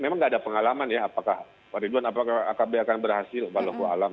memang nggak ada pengalaman ya apakah waridwan apakah akb akan berhasil walau ke alam